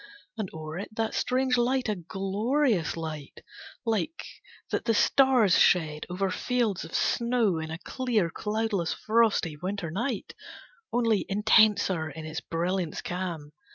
And o'er it that strange light, a glorious light Like that the stars shed over fields of snow In a clear, cloudless, frosty winter night, Only intenser in its brilliance calm.